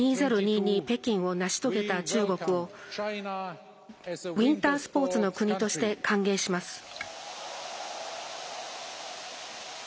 北京を成し遂げた中国をウインタースポーツの国として歓迎します。